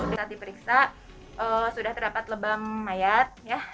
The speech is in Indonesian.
saat diperiksa sudah terdapat lebam mayat